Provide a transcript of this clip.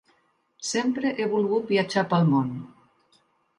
Sempre he volgut viatjar pel món.